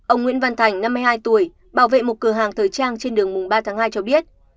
ông nguyễn văn thành năm mươi hai tuổi bảo vệ một cửa hàng thời trang trên đường mùng ba tháng hai cho biết